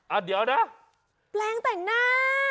อ่ะเดี๋ยวนะแปลงแต่งหน้า